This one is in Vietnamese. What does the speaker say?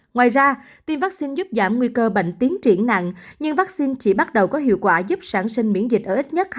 ngoài ra tiêm vaccine giúp giảm nguy cơ bệnh tiến triển nặng nhưng vaccine chỉ bắt đầu có hiệu quả giúp sản sinh miễn dịch ở ít nhất hai mươi